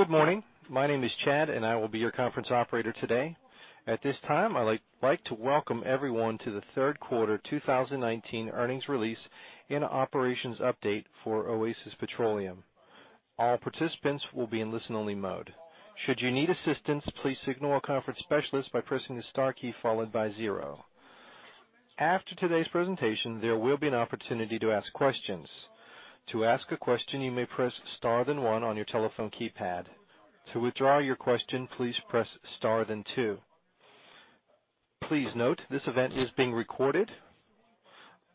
Good morning. My name is Chad, and I will be your conference operator today. At this time, I'd like to welcome everyone to the third quarter 2019 earnings release and operations update for Oasis Petroleum. All participants will be in listen only mode. Should you need assistance, please signal a conference specialist by pressing the star key followed by zero. After today's presentation, there will be an opportunity to ask questions. To ask a question, you may press star then one on your telephone keypad. To withdraw your question, please press star then two. Please note this event is being recorded.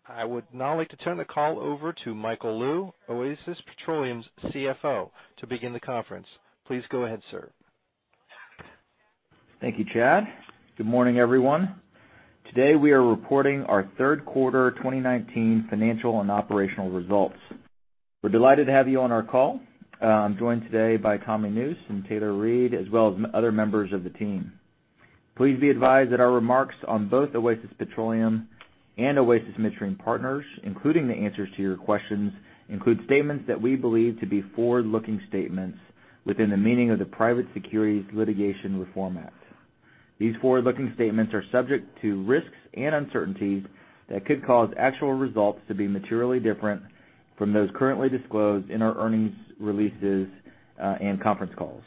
I would now like to turn the call over to Michael Lou, Oasis Petroleum's CFO, to begin the conference. Please go ahead, sir. Thank you, Chad. Good morning, everyone. Today we are reporting our third quarter 2019 financial and operational results. We're delighted to have you on our call. I'm joined today by Tommy Nusz and Taylor Reid, as well as other members of the team. Please be advised that our remarks on both Oasis Petroleum and Oasis Midstream Partners, including the answers to your questions, include statements that we believe to be forward-looking statements within the meaning of the Private Securities Litigation Reform Act. These forward-looking statements are subject to risks and uncertainties that could cause actual results to be materially different from those currently disclosed in our earnings releases and conference calls.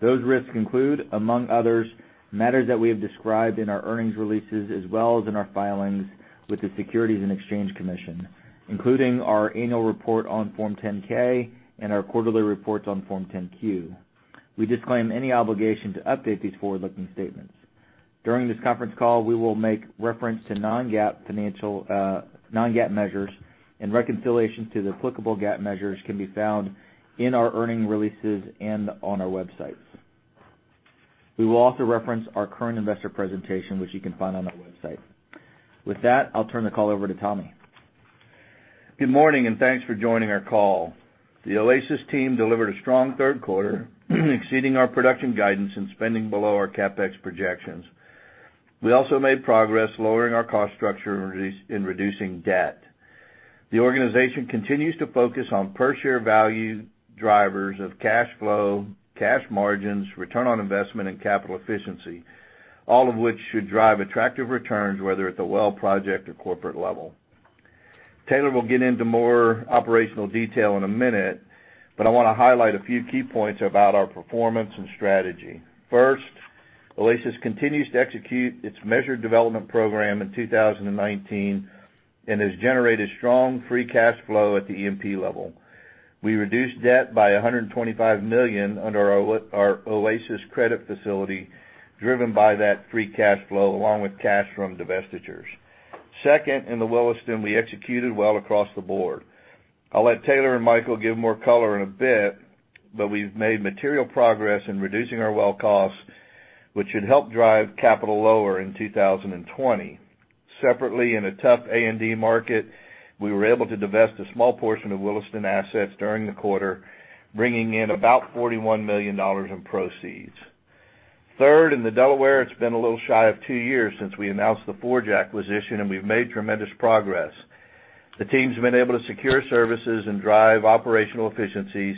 Those risks include, among others, matters that we have described in our earnings releases as well as in our filings with the Securities and Exchange Commission, including our annual report on Form 10-K and our quarterly reports on Form 10-Q. We disclaim any obligation to update these forward-looking statements. During this conference call, we will make reference to non-GAAP measures and reconciliation to the applicable GAAP measures can be found in our earnings releases and on our websites. We will also reference our current investor presentation, which you can find on our website. With that, I'll turn the call over to Tommy. Good morning, and thanks for joining our call. The Oasis team delivered a strong third quarter, exceeding our production guidance and spending below our CapEx projections. We also made progress lowering our cost structure in reducing debt. The organization continues to focus on per-share value drivers of cash flow, cash margins, return on investment, and capital efficiency, all of which should drive attractive returns, whether at the well project or corporate level. Taylor will get into more operational detail in a minute, but I want to highlight a few key points about our performance and strategy. First, Oasis continues to execute its measured development program in 2019 and has generated strong free cash flow at the E&P level. We reduced debt by $125 million under our Oasis Credit Facility, driven by that free cash flow, along with cash from divestitures. Second, in the Williston, we executed well across the board. I'll let Taylor and Michael give more color in a bit, but we've made material progress in reducing our well costs, which should help drive capital lower in 2020. Separately, in a tough A&D market, we were able to divest a small portion of Williston assets during the quarter, bringing in about $41 million in proceeds. Third, in the Delaware, it's been a little shy of 2 years since we announced the Forge acquisition, and we've made tremendous progress. The teams have been able to secure services and drive operational efficiencies,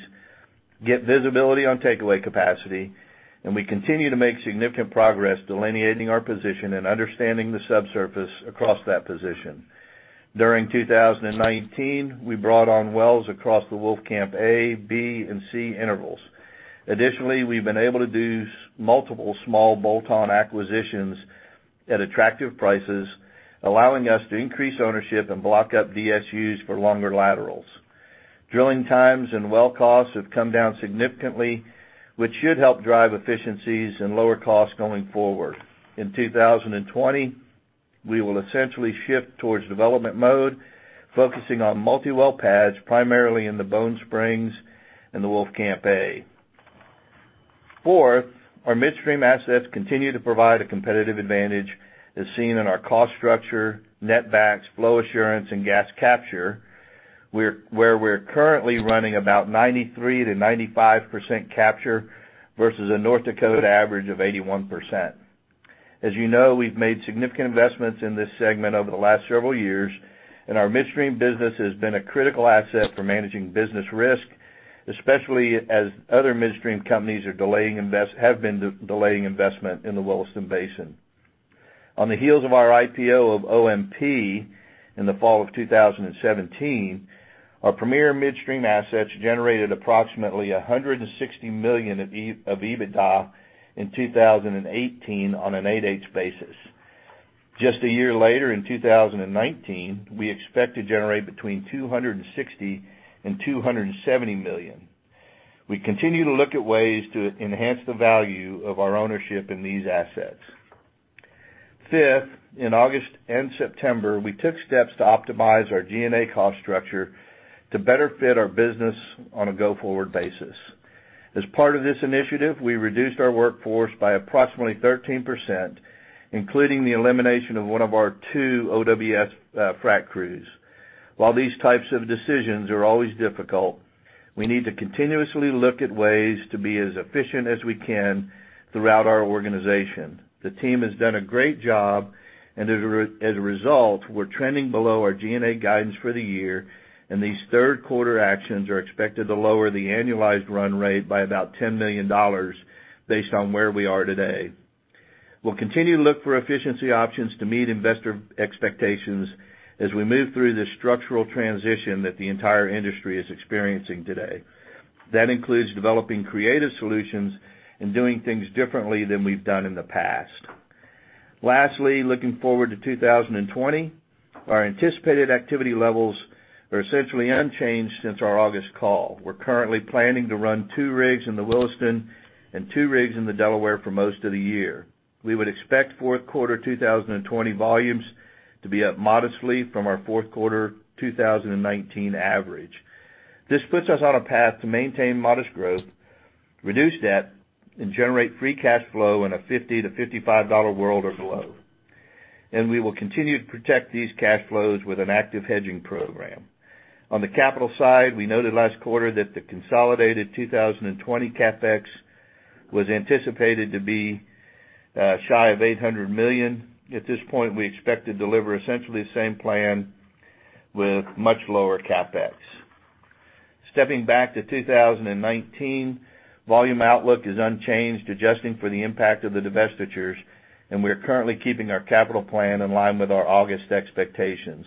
get visibility on takeaway capacity, and we continue to make significant progress delineating our position and understanding the subsurface across that position. During 2019, we brought on wells across the Wolfcamp A, B, and C intervals. Additionally, we've been able to do multiple small bolt-on acquisitions at attractive prices, allowing us to increase ownership and block up DSUs for longer laterals. Drilling times and well costs have come down significantly, which should help drive efficiencies and lower costs going forward. In 2020, we will essentially shift towards development mode, focusing on multi-well pads, primarily in the Bone Springs and the Wolfcamp A. Fourth, our midstream assets continue to provide a competitive advantage, as seen in our cost structure, net backs, flow assurance, and gas capture, where we're currently running about 93%-95% capture versus a North Dakota average of 81%. As you know, we've made significant investments in this segment over the last several years, and our midstream business has been a critical asset for managing business risk, especially as other midstream companies have been delaying investment in the Williston Basin. On the heels of our IPO of OMP in the fall of 2017, our premier midstream assets generated approximately $160 million of EBITDA in 2018 on a 100% basis. Just a year later, in 2019, we expect to generate between $260 million and $270 million. We continue to look at ways to enhance the value of our ownership in these assets. Fifth, in August and September, we took steps to optimize our G&A cost structure to better fit our business on a go-forward basis. As part of this initiative, we reduced our workforce by approximately 13%, including the elimination of one of our two OWS frac crews. While these types of decisions are always difficult, we need to continuously look at ways to be as efficient as we can throughout our organization. The team has done a great job, and as a result, we're trending below our G&A guidance for the year, and these third quarter actions are expected to lower the annualized run rate by about $10 million based on where we are today. We'll continue to look for efficiency options to meet investor expectations as we move through this structural transition that the entire industry is experiencing today. That includes developing creative solutions and doing things differently than we've done in the past. Lastly, looking forward to 2020, our anticipated activity levels are essentially unchanged since our August call. We're currently planning to run two rigs in the Williston and two rigs in the Delaware for most of the year. We would expect fourth quarter 2020 volumes to be up modestly from our fourth quarter 2019 average. This puts us on a path to maintain modest growth, reduce debt, and generate free cash flow in a $50-$55 world or below. We will continue to protect these cash flows with an active hedging program. On the capital side, we noted last quarter that the consolidated 2020 CapEx was anticipated to be shy of $800 million. At this point, we expect to deliver essentially the same plan with much lower CapEx. Stepping back to 2019, volume outlook is unchanged, adjusting for the impact of the divestitures, and we are currently keeping our capital plan in line with our August expectations.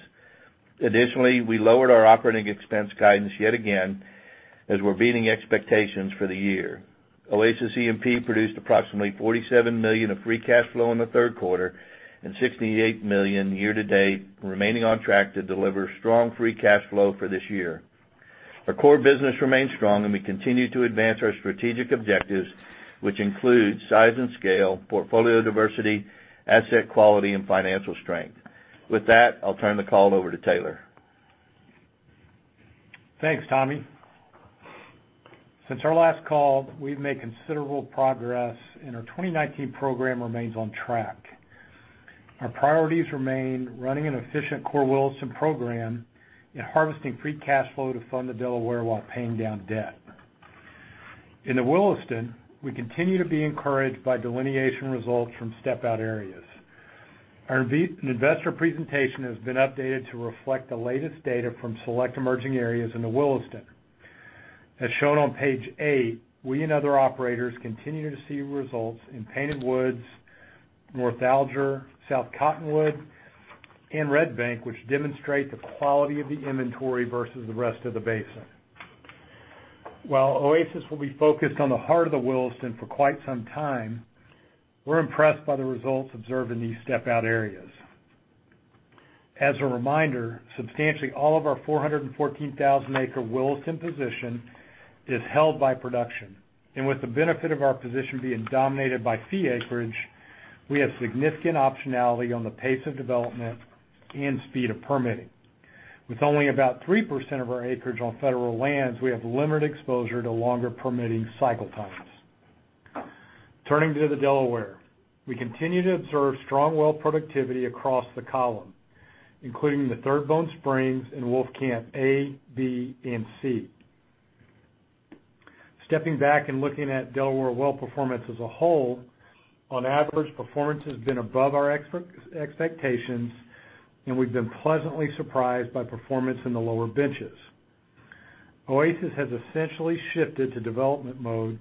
Additionally, we lowered our operating expense guidance yet again, as we're beating expectations for the year. Oasis E&P produced approximately $47 million of free cash flow in the third quarter and $68 million year to date, remaining on track to deliver strong free cash flow for this year. Our core business remains strong and we continue to advance our strategic objectives, which include size and scale, portfolio diversity, asset quality, and financial strength. With that, I'll turn the call over to Taylor. Thanks, Tommy. Since our last call, we've made considerable progress and our 2019 program remains on track. Our priorities remain running an efficient core Williston program and harvesting free cash flow to fund the Delaware while paying down debt. In the Williston, we continue to be encouraged by delineation results from step-out areas. Our investor presentation has been updated to reflect the latest data from select emerging areas in the Williston. As shown on page eight, we and other operators continue to see results in Painted Woods, North Alger, South Cottonwood, and Red Bank, which demonstrate the quality of the inventory versus the rest of the basin. While Oasis will be focused on the heart of the Williston for quite some time, we're impressed by the results observed in these step-out areas. As a reminder, substantially all of our 414,000-acre Williston position is held by production. With the benefit of our position being dominated by fee acreage, we have significant optionality on the pace of development and speed of permitting. With only about 3% of our acreage on federal lands, we have limited exposure to longer permitting cycle times. Turning to the Delaware, we continue to observe strong well productivity across the column, including the Third Bone Springs and Wolfcamp A, B, and C. Stepping back and looking at Delaware well performance as a whole, on average, performance has been above our expectations, and we've been pleasantly surprised by performance in the lower benches. Oasis has essentially shifted to development mode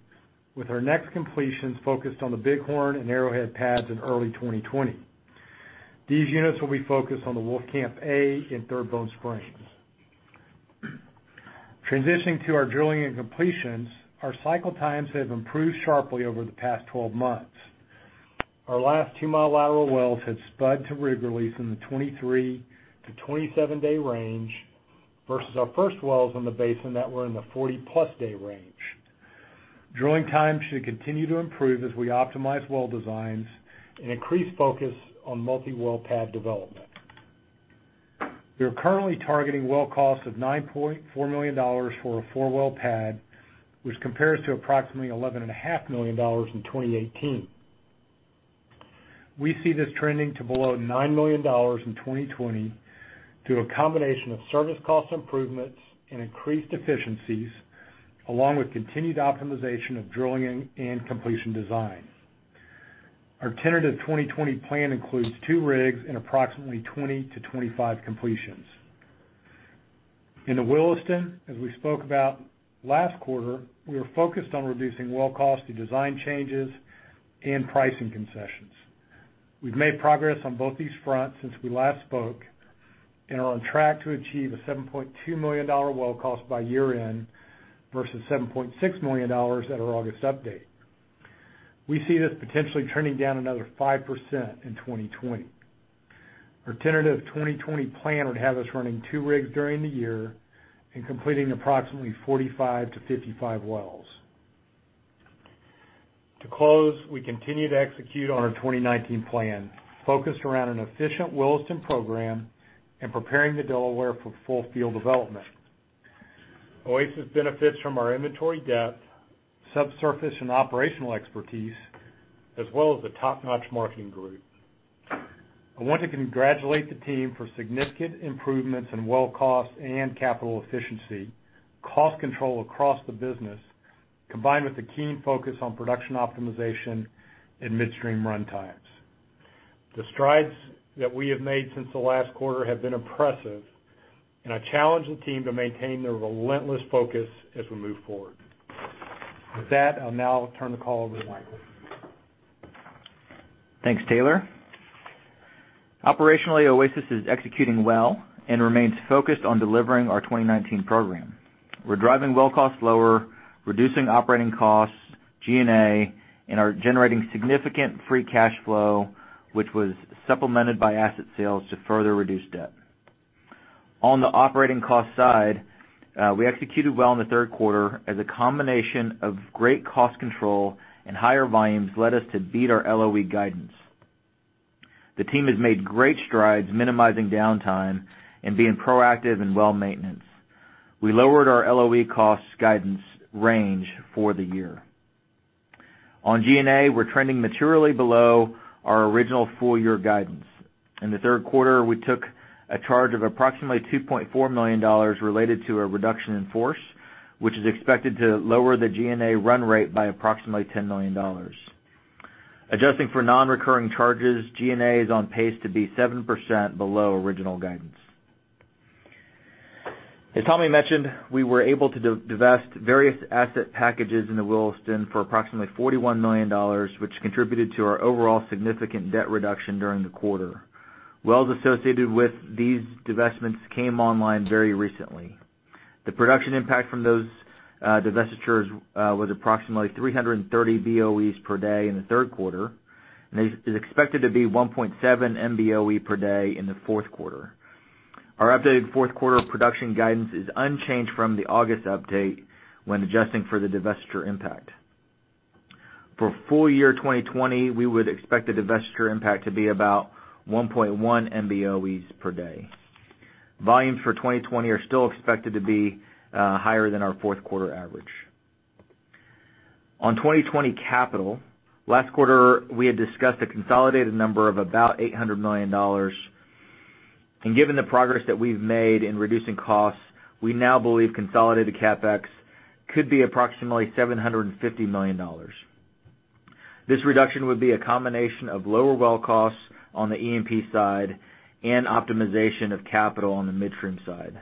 with our next completions focused on the Bighorn and Arrowhead pads in early 2020. These units will be focused on the Wolfcamp A and Third Bone Springs. Transitioning to our drilling and completions, our cycle times have improved sharply over the past 12 months. Our last two-mile lateral wells have spud to rig release in the 23- to 27-day range versus our first wells in the basin that were in the 40-plus day range. Drilling time should continue to improve as we optimize well designs and increase focus on multi-well pad development. We are currently targeting well costs of $9.4 million for a four-well pad, which compares to approximately $11.5 million in 2018. We see this trending to below $9 million in 2020 through a combination of service cost improvements and increased efficiencies, along with continued optimization of drilling and completion design. Our tentative 2020 plan includes two rigs and approximately 20 to 25 completions. In the Williston, as we spoke about last quarter, we are focused on reducing well cost through design changes and pricing concessions. We've made progress on both these fronts since we last spoke, and are on track to achieve a $7.2 million well cost by year-end versus $7.6 million at our August update. We see this potentially trending down another 5% in 2020. Our tentative 2020 plan would have us running two rigs during the year and completing approximately 45-55 wells. To close, we continue to execute on our 2019 plan, focused around an efficient Williston program and preparing the Delaware for full field development. Oasis benefits from our inventory depth, subsurface and operational expertise, as well as a top-notch marketing group. I want to congratulate the team for significant improvements in well cost and capital efficiency, cost control across the business, combined with a keen focus on production optimization and midstream run times. The strides that we have made since the last quarter have been impressive, and I challenge the team to maintain their relentless focus as we move forward. With that, I'll now turn the call over to Michael. Thanks, Taylor. Operationally, Oasis is executing well and remains focused on delivering our 2019 program. We're driving well costs lower, reducing operating costs, G&A, and are generating significant free cash flow, which was supplemented by asset sales to further reduce debt. On the operating cost side, we executed well in the third quarter as a combination of great cost control and higher volumes led us to beat our LOE guidance. The team has made great strides minimizing downtime and being proactive in well maintenance. We lowered our LOE cost guidance range for the year. On G&A, we're trending materially below our original full-year guidance. In the third quarter, we took a charge of approximately $2.4 million related to a reduction in force, which is expected to lower the G&A run rate by approximately $10 million. Adjusting for non-recurring charges, G&A is on pace to be 7% below original guidance. As Tommy mentioned, we were able to divest various asset packages in the Williston for approximately $41 million, which contributed to our overall significant debt reduction during the quarter. Wells associated with these divestments came online very recently. The production impact from those divestitures was approximately 330 BOEs per day in the third quarter, and is expected to be 1.7 MBOE per day in the fourth quarter. Our updated fourth quarter production guidance is unchanged from the August update when adjusting for the divestiture impact. For full year 2020, we would expect the divestiture impact to be about 1.1 MBOEs per day. Volumes for 2020 are still expected to be higher than our fourth quarter average. On 2020 capital, last quarter, we had discussed a consolidated number of about $800 million. Given the progress that we've made in reducing costs, we now believe consolidated CapEx could be approximately $750 million. This reduction would be a combination of lower well costs on the E&P side and optimization of capital on the midstream side.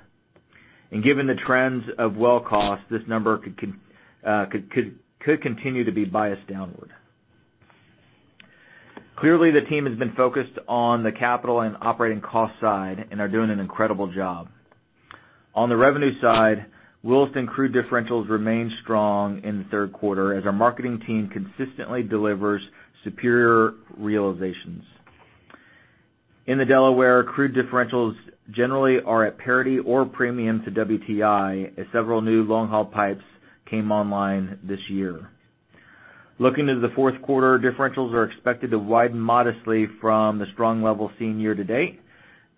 Given the trends of well cost, this number could continue to be biased downward. Clearly, the team has been focused on the capital and operating cost side and are doing an incredible job. On the revenue side, Williston crude differentials remained strong in the third quarter as our marketing team consistently delivers superior realizations. In the Delaware, crude differentials generally are at parity or premium to WTI, as several new long-haul pipes came online this year. Looking to the fourth quarter, differentials are expected to widen modestly from the strong level seen year-to-date,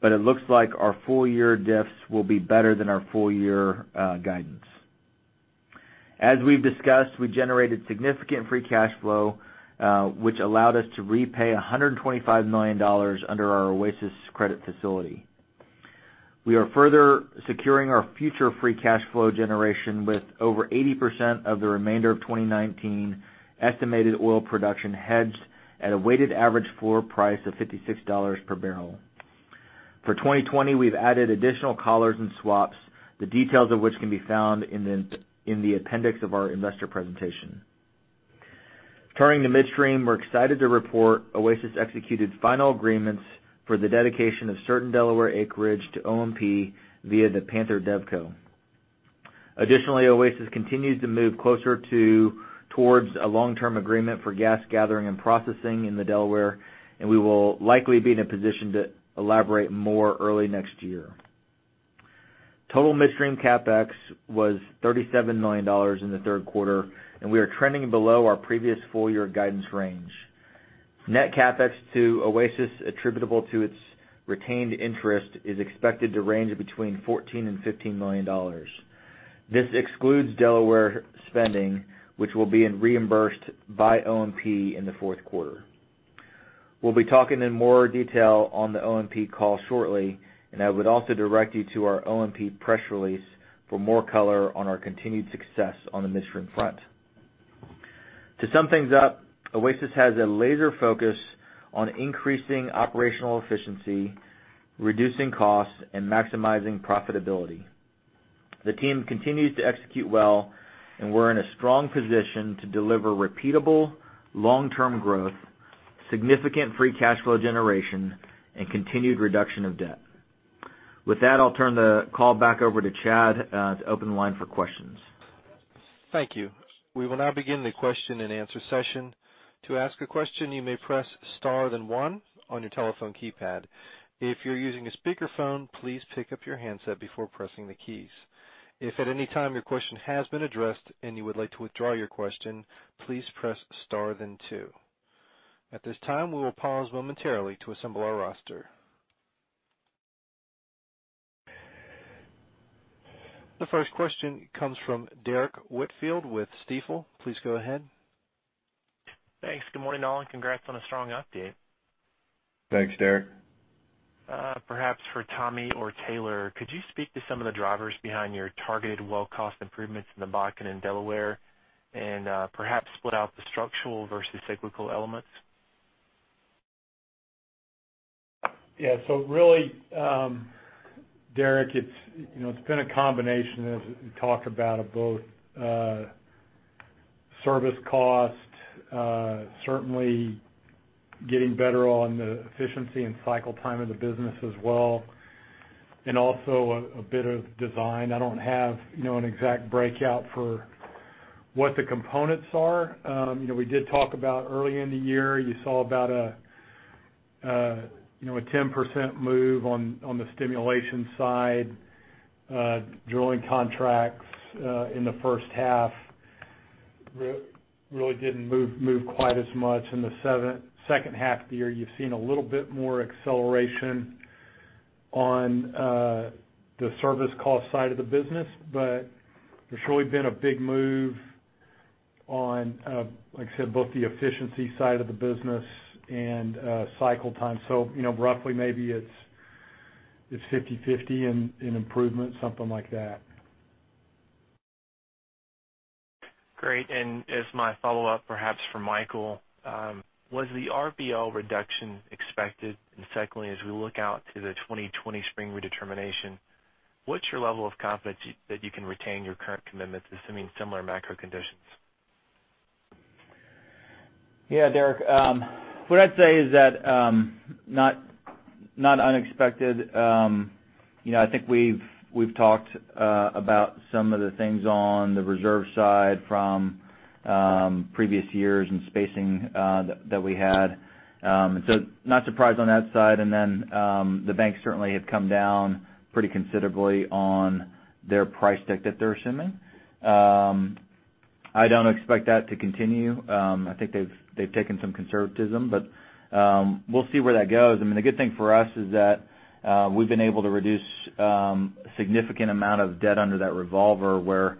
but it looks like our full-year diffs will be better than our full-year guidance. As we've discussed, we generated significant free cash flow, which allowed us to repay $125 million under our Oasis Credit Facility. We are further securing our future free cash flow generation with over 80% of the remainder of 2019 estimated oil production hedged at a weighted average floor price of $56 per barrel. For 2020, we've added additional collars and swaps, the details of which can be found in the appendix of our investor presentation. Turning to midstream, we're excited to report Oasis executed final agreements for the dedication of certain Delaware acreage to OMP via the Panther DevCo. Additionally, Oasis continues to move closer towards a long-term agreement for gas gathering and processing in the Delaware, and we will likely be in a position to elaborate more early next year. Total midstream CapEx was $37 million in the third quarter, and we are trending below our previous full-year guidance range. Net CapEx to Oasis attributable to its retained interest is expected to range between $14 and $15 million. This excludes Delaware spending, which will be reimbursed by OMP in the fourth quarter. We'll be talking in more detail on the OMP call shortly, and I would also direct you to our OMP press release for more color on our continued success on the midstream front. To sum things up, Oasis has a laser focus on increasing operational efficiency, reducing costs, and maximizing profitability. The team continues to execute well, and we're in a strong position to deliver repeatable long-term growth, significant free cash flow generation, and continued reduction of debt. With that, I'll turn the call back over to Chad to open the line for questions. Thank you. We will now begin the question and answer session. To ask a question, you may press star then one on your telephone keypad. If you're using a speakerphone, please pick up your handset before pressing the keys. If at any time your question has been addressed and you would like to withdraw your question, please press star then two. At this time, we will pause momentarily to assemble our roster. The first question comes from Derrick Whitfield with Stifel. Please go ahead. Thanks. Good morning, all, and congrats on a strong update. Thanks, Derrick. Perhaps for Tommy or Taylor, could you speak to some of the drivers behind your targeted well cost improvements in the Bakken and Delaware, and perhaps split out the structural versus cyclical elements? Yeah. Really, Derrick, it's been a combination, as we talked about, of both service cost certainly getting better on the efficiency and cycle time of the business as well, and also a bit of design. I don't have an exact breakout for what the components are. We did talk about early in the year, you saw about a 10% move on the stimulation side. Drilling contracts in the first half really didn't move quite as much. In the second half of the year, you've seen a little bit more acceleration on the service cost side of the business. There's really been a big move on, like I said, both the efficiency side of the business and cycle time. Roughly maybe it's 50/50 in improvement, something like that. Great. As my follow-up, perhaps for Michael, was the RBL reduction expected? Secondly, as we look out to the 2020 spring redetermination, what's your level of confidence that you can retain your current commitments assuming similar macro conditions? Yeah, Derrick. What I'd say is that, not unexpected. I think we've talked about some of the things on the reserve side from previous years and spacing that we had. Not surprised on that side. The banks certainly have come down pretty considerably on their price deck that they're assuming. I don't expect that to continue. I think they've taken some conservatism. We'll see where that goes. The good thing for us is that we've been able to reduce a significant amount of debt under that revolver, where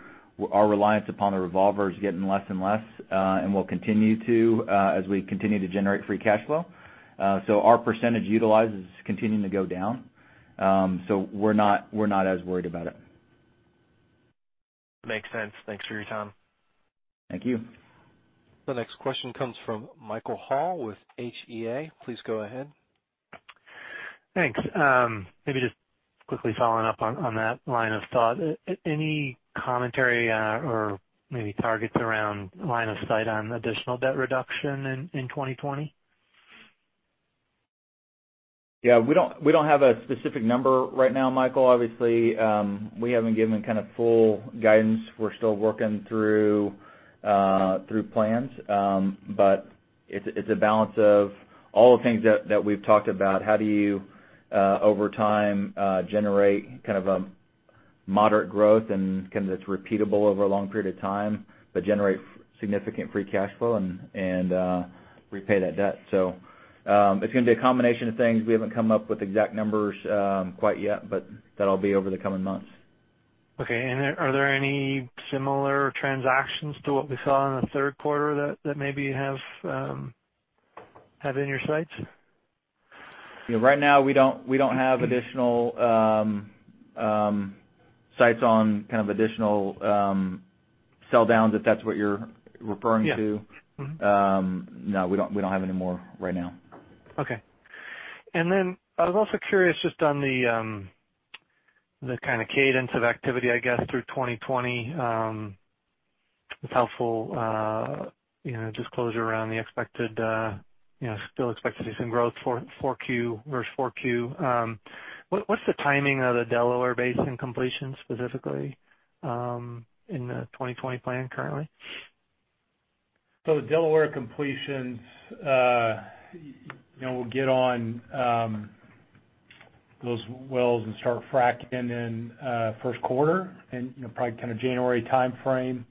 our reliance upon the revolver is getting less and less, and will continue to as we continue to generate free cash flow. Our percentage utilized is continuing to go down. We're not as worried about it. Makes sense. Thanks for your time. Thank you. The next question comes from Michael Hall with HEA. Please go ahead. Thanks. Maybe just quickly following up on that line of thought. Any commentary or maybe targets around line of sight on additional debt reduction in 2020? Yeah. We don't have a specific number right now, Michael. Obviously, we haven't given full guidance. We're still working through plans. It's a balance of all the things that we've talked about. How do you, over time, generate a moderate growth and it's repeatable over a long period of time, but generate significant free cash flow and repay that debt. It's going to be a combination of things. We haven't come up with exact numbers quite yet, but that'll be over the coming months. Okay. Are there any similar transactions to what we saw in the third quarter that maybe you have had in your sights? Right now, we don't have additional sights on additional sell downs, if that's what you're referring to. Yeah. Mm-hmm. No, we don't have any more right now. Okay. Then I was also curious just on the kind of cadence of activity, I guess, through 2020. It's helpful disclosure around still expect to see some growth versus 4Q. What's the timing of the Delaware Basin completion specifically, in the 2020 plan currently? The Delaware completions, we'll get on those wells and start fracking in first quarter, in probably January timeframe.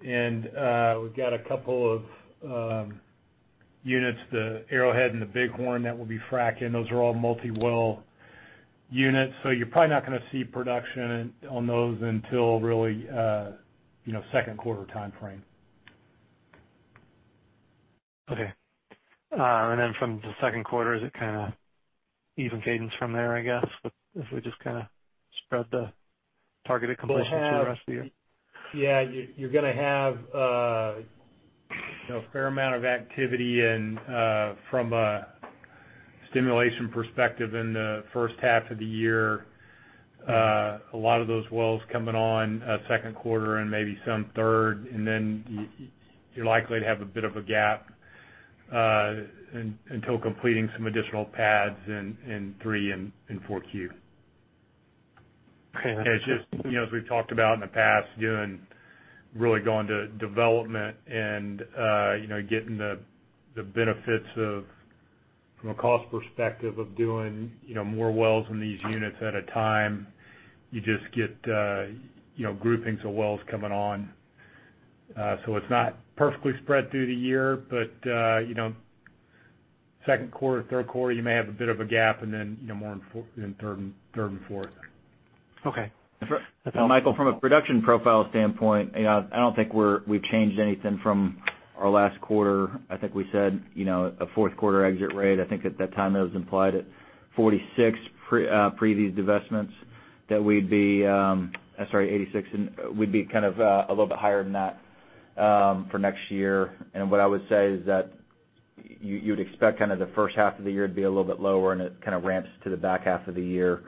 We've got a couple of units, the Arrowhead and the Bighorn, that we'll be fracking. Those are all multi-well units. You're probably not going to see production on those until really second quarter timeframe. Okay. From the second quarter, is it even cadence from there, I guess, if we just spread the targeted completions through the rest of the year? Yeah. You're going to have a fair amount of activity from a stimulation perspective in the first half of the year, a lot of those wells coming on second quarter and maybe some third. You're likely to have a bit of a gap until completing some additional pads in three and in 4Q. Okay. As we've talked about in the past, really going to development and getting the benefits from a cost perspective of doing more wells in these units at a time. You just get groupings of wells coming on. It's not perfectly spread through the year. Second quarter, third quarter, you may have a bit of a gap, and then more in third and fourth. Okay. Michael, from a production profile standpoint, I don't think we've changed anything from our last quarter. I think we said, a fourth quarter exit rate. I think at that time it was implied at 46, pre these divestments, that we'd be I'm sorry, 86, and we'd be kind of a little bit higher than that for next year. What I would say is that you'd expect the first half of the year to be a little bit lower, and it ramps to the back half of the year.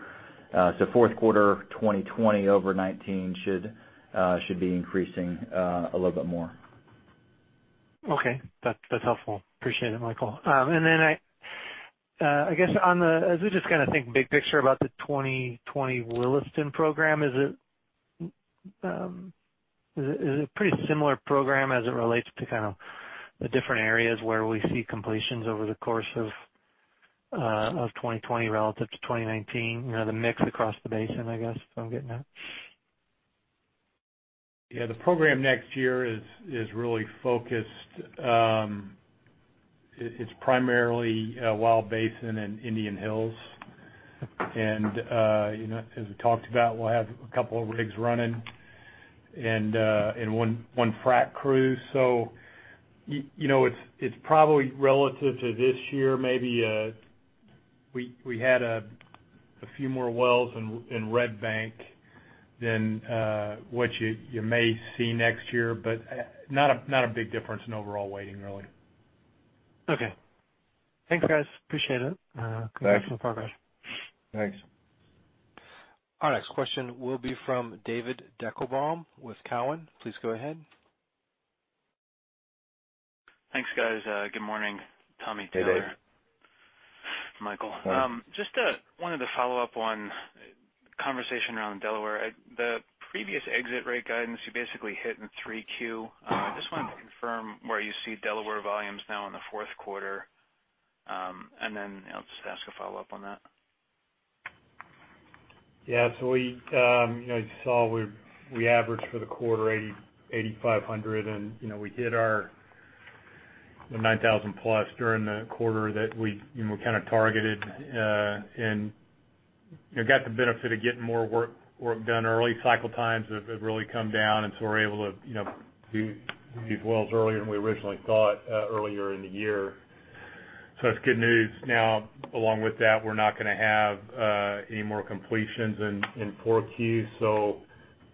fourth quarter 2020 over 2019 should be increasing a little bit more. Okay. That's helpful. Appreciate it, Michael. I guess as we just think big picture about the 2020 Williston program, is it a pretty similar program as it relates to the different areas where we see completions over the course of 2020 relative to 2019, the mix across the basin, I guess, if I'm getting that? Yeah, the program next year is really focused. It's primarily Wild Basin and Indian Hills. As we talked about, we'll have a couple of rigs running and one frac crew. It's probably relative to this year, maybe we had a few more wells in Red Bank than what you may see next year, but not a big difference in overall weighting, really. Okay. Thanks, guys. Appreciate it. Thanks. Continue the progress. Thanks. Our next question will be from David Deckelbaum with Cowen. Please go ahead. Thanks, guys. Good morning, Tommy, Taylor. Hey, Dave. Michael. Hi. Just wanted to follow up on conversation around Delaware. The previous exit rate guidance you basically hit in 3Q. I just wanted to confirm where you see Delaware volumes now in the fourth quarter, and then I'll just ask a follow-up on that. Yeah. You saw we averaged for the quarter 8,500 and we hit our 9,000 plus during the quarter that we targeted, and got the benefit of getting more work done early. Cycle times have really come down, and so we're able to do these wells earlier than we originally thought earlier in the year. That's good news. Along with that, we're not going to have any more completions in 4Q, so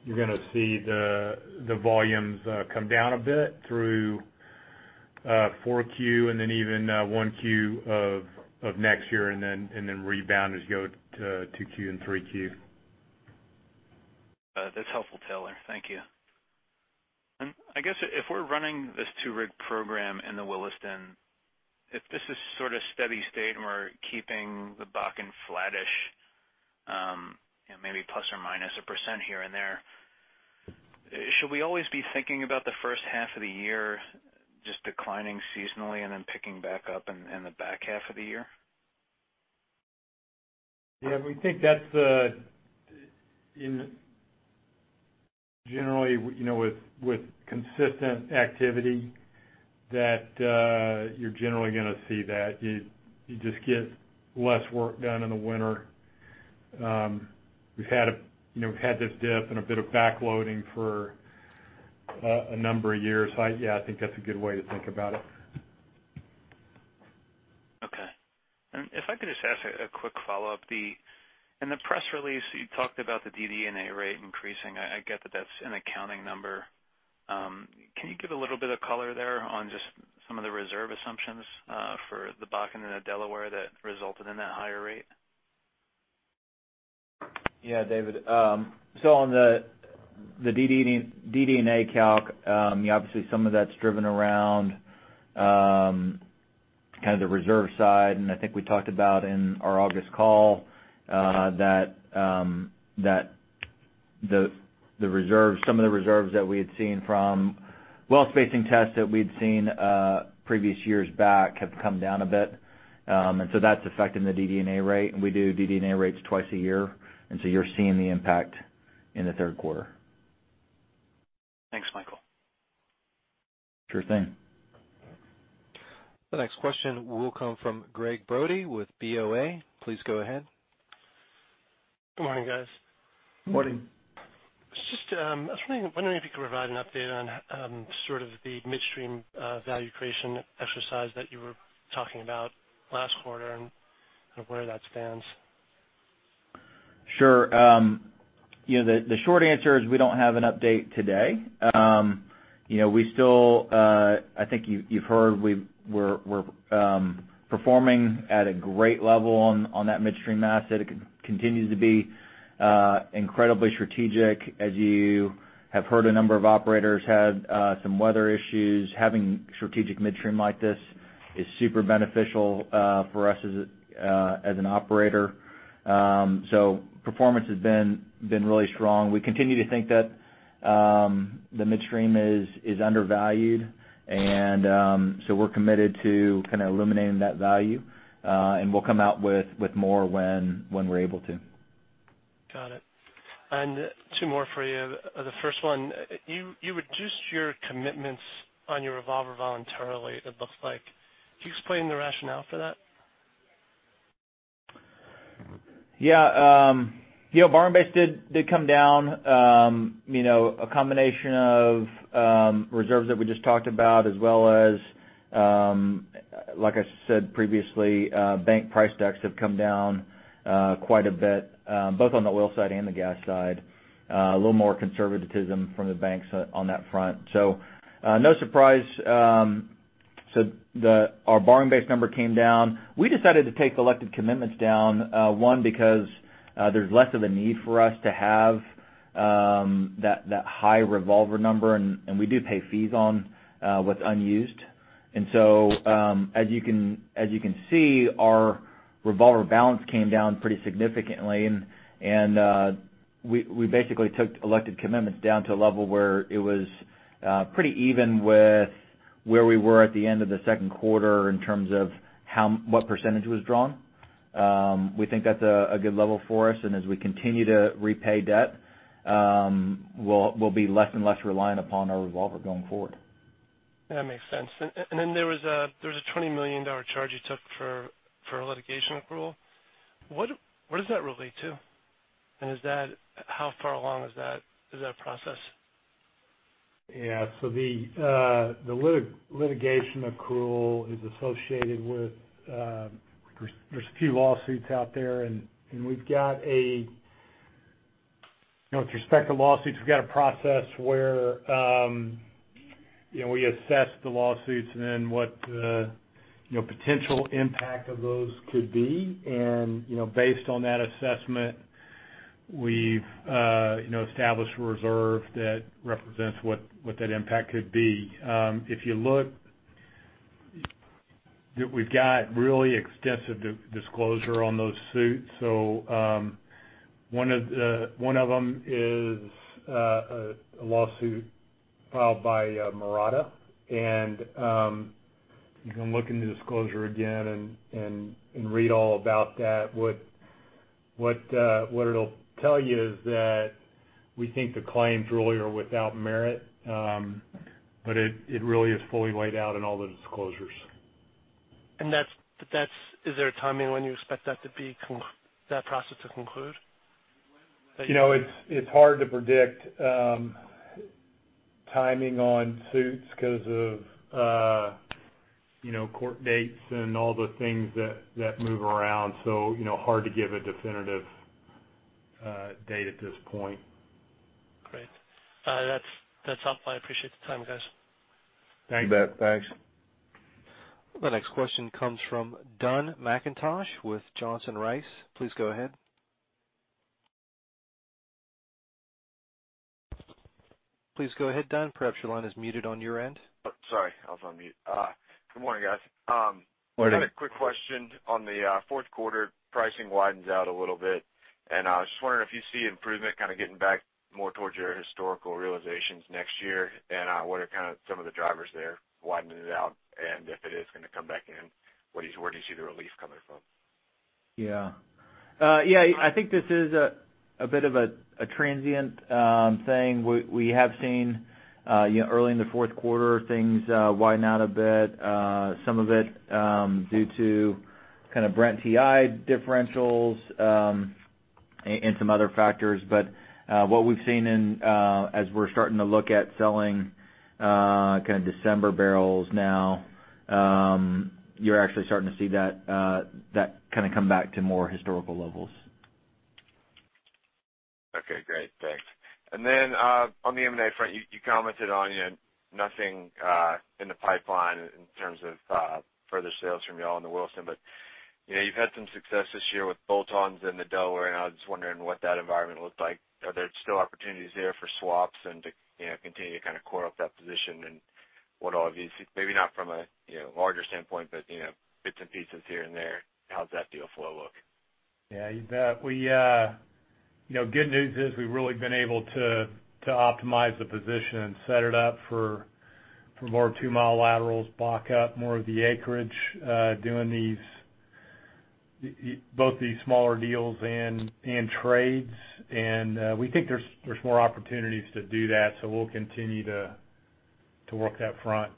you're going to see the volumes come down a bit through 4Q and then even 1Q of next year and then rebound as you go to 2Q and 3Q. That's helpful, Taylor. Thank you. I guess if we're running this two-rig program in the Williston, if this is sort of steady state and we're keeping the Bakken flattish, maybe ±1% here and there, should we always be thinking about the first half of the year just declining seasonally and then picking back up in the back half of the year? Yeah, we think that's, generally, with consistent activity, that you're generally going to see that. You just get less work done in the winter. We've had this dip and a bit of backloading for a number of years. Yeah, I think that's a good way to think about it. Okay. If I could just ask a quick follow-up. In the press release, you talked about the DD&A rate increasing. I get that that's an accounting number. Can you give a little bit of color there on just some of the reserve assumptions for the Bakken and the Delaware that resulted in that higher rate? Yeah, David. On the DD&A calc, obviously some of that's driven around kind of the reserve side. I think we talked about in our August call that some of the reserves that we had seen from well spacing tests that we'd seen previous years back have come down a bit. That's affecting the DD&A rate. We do DD&A rates twice a year. You're seeing the impact in the third quarter. Thanks, Michael. Sure thing. The next question will come from Gregg Brody with BOA. Please go ahead. Good morning, guys. Morning. I was just wondering if you could provide an update on sort of the midstream value creation exercise that you were talking about last quarter and kind of where that stands. Sure. The short answer is we don't have an update today. I think you've heard we're performing at a great level on that midstream asset. It continues to be incredibly strategic. As you have heard, a number of operators had some weather issues. Having strategic midstream like this is super beneficial for us as an operator. Performance has been really strong. We continue to think that the midstream is undervalued, and so we're committed to eliminating that value. We'll come out with more when we're able to. Got it. Two more for you. The first one, you reduced your commitments on your revolver voluntarily, it looks like. Can you explain the rationale for that? Yeah. Borrowing base did come down. A combination of reserves that we just talked about as well as, like I said previously, bank price decks have come down quite a bit, both on the oil side and the gas side. A little more conservatism from the banks on that front. No surprise. Our borrowing base number came down. We decided to take elected commitments down, one, because there's less of a need for us to have that high revolver number, and we do pay fees on what's unused. As you can see, our revolver balance came down pretty significantly. We basically took elected commitments down to a level where it was pretty even with where we were at the end of the second quarter in terms of what percentage was drawn. We think that's a good level for us, and as we continue to repay debt, we'll be less and less reliant upon our revolver going forward. That makes sense. There was a $20 million charge you took for a litigation accrual. What does that relate to? How far along is that process? The litigation accrual is associated with There's a few lawsuits out there, and with respect to lawsuits, we've got a process where we assess the lawsuits and then what the potential impact of those could be. Based on that assessment, we've established a reserve that represents what that impact could be. If you look, we've got really extensive disclosure on those suits. One of them is a lawsuit filed by Mirada, and you can look in the disclosure again and read all about that. What it'll tell you is that we think the claims really are without merit, but it really is fully laid out in all the disclosures. Is there a timing when you expect that process to conclude? It's hard to predict timing on suits because of court dates and all the things that move around, so hard to give a definitive date at this point. Great. That's all. I appreciate the time, guys. Thanks. You bet. Thanks. The next question comes from Don McIntosh with Johnson Rice. Please go ahead, Don. Perhaps your line is muted on your end. Sorry, I was on mute. Good morning, guys. Morning. I had a quick question on the fourth quarter pricing widens out a little bit. I was just wondering if you see improvement kind of getting back more towards your historical realizations next year, what are some of the drivers there widening it out? If it is going to come back in, where do you see the relief coming from? Yeah. I think this is a bit of a transient thing. We have seen early in the fourth quarter things widen out a bit, some of it due to kind of Brent-TI differentials, and some other factors. What we've seen as we're starting to look at selling December barrels now, you're actually starting to see that come back to more historical levels. Okay, great. Thanks. On the M&A front, you commented on nothing in the pipeline in terms of further sales from y'all in the Williston, but you've had some success this year with bolt-ons in the Delaware, and I was just wondering what that environment looked like. Are there still opportunities there for swaps and to continue to kind of core up that position, maybe not from a larger standpoint, but bits and pieces here and there? How's that deal flow look? Yeah, you bet. Good news is we've really been able to optimize the position and set it up for more two-mile laterals, block up more of the acreage, doing both these smaller deals and trades. We think there's more opportunities to do that, so we'll continue to work that front.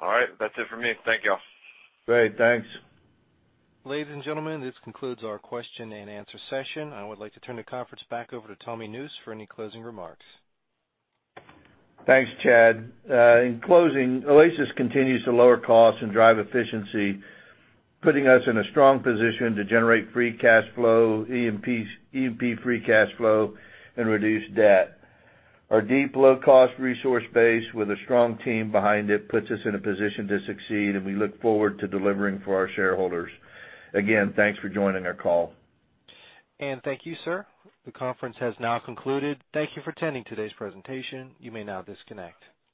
All right, that's it for me. Thank y'all. Great, thanks. Ladies and gentlemen, this concludes our question and answer session. I would like to turn the conference back over to Tommy Nusz for any closing remarks. Thanks, Chad. In closing, Oasis continues to lower costs and drive efficiency, putting us in a strong position to generate free cash flow, E&P free cash flow, and reduce debt. Our deep low-cost resource base with a strong team behind it puts us in a position to succeed, and we look forward to delivering for our shareholders. Again, thanks for joining our call. Thank you, sir. The conference has now concluded. Thank you for attending today's presentation. You may now disconnect.